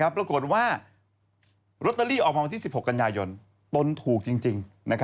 ปรากฏว่าลอตเตอรี่ออกมาวันที่๑๖กันยายนตนถูกจริง